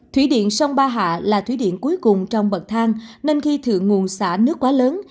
thủy điện sông ba hạ là thủy điện cuối cùng trong bậc thang nên khi thượng nguồn xả nước quá lớn